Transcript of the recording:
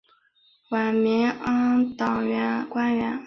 晚明阉党官员。